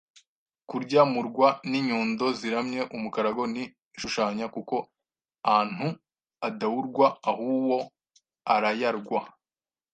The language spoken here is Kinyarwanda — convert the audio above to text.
Kurya muurwa n’inyundo ziramye umukarago Ni ishushanya kuko antu adaurwa ahuwo arayarwa